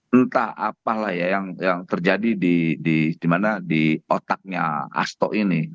entah apalah ya yang terjadi di otaknya asto ini